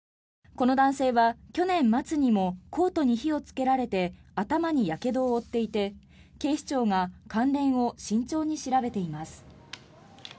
この男性は去年末にもコートに火をつけられて頭にやけどを負っていて警視庁が関連を慎重に調べています。